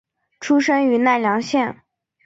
出身于奈良县。